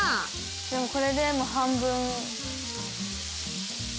でもこれでも半分。